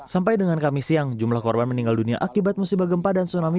sampai dengan kami siang jumlah korban meninggal dunia akibat musibah gempa dan tsunami